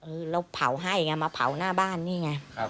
เราเผาให้ไงมาเผาหน้าบ้านนี่ไง